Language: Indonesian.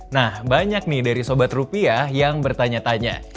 nah banyak nih dari sobat rupiah yang bertanya tanya